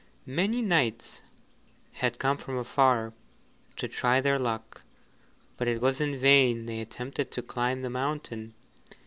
Many knights had come from afar to try their luck, but it was in vain they attempted to climb the mountain.